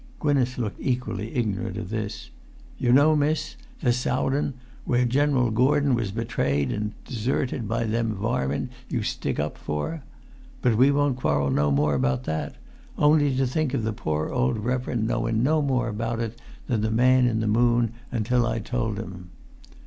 Gwynneth looked equally ignorant of this. "You know, miss? The[Pg 313] Sowd'n, where General Gordon was betrayed and deserted by them varmin you'd stick up for. But we won't quarrel no more about that: only to think of the poor old reverend knowun no more about it than the man in the moon until I told him!